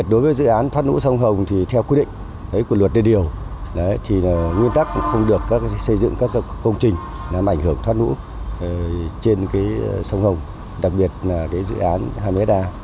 cũng như hoạt động sản xuất của doanh nghiệp